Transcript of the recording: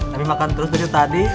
kami makan terus tadi